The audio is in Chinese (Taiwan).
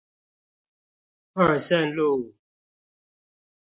二聖路